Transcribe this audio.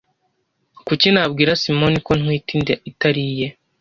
Kuki nabwira Simoni ko ntwite inda itari iye